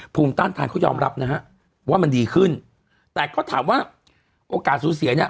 ภูมิต้านทานเขายอมรับนะฮะว่ามันดีขึ้นแต่ก็ถามว่าโอกาสสูญเสียเนี่ย